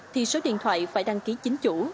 thì số điện thoại phải đăng ký chính chủ